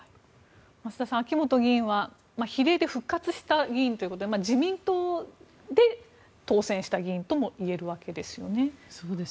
増田さん、秋本議員は比例で復活した議員ということで自民党で当選した議員とも言えるわけですよね。